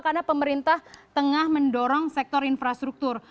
karena pemerintah tengah mendorong sektor infrastruktur